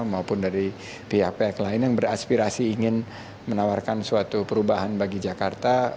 maupun dari pihak pihak lain yang beraspirasi ingin menawarkan suatu perubahan bagi jakarta